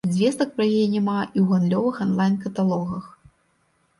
Звестак пра яе няма і ў гандлёвых анлайн-каталогах.